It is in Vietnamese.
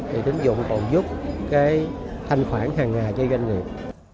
thì tính dụng còn giúp cái thanh khoản hàng ngày cho doanh nghiệp